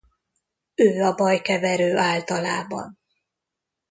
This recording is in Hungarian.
Ő a bajkeverő általában.